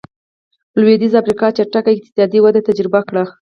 لوېدیځې افریقا چټکه اقتصادي وده تجربه کړه.